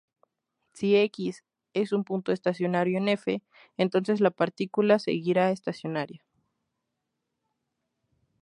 Si "x" es un punto estacionario en "F" entonces la partícula seguirá estacionaria.